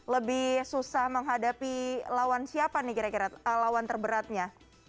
lebih susah menghadapi lawan siapa nih kira kira lawan terberatnya